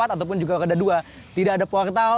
ataupun juga roda dua tidak ada portal